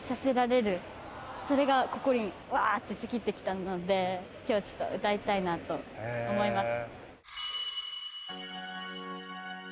それが心にウワーッてズキッてきたので今日はちょっと歌いたいなと思います。